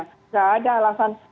nggak ada alasan